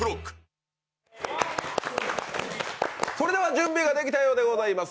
準備ができたようでございます。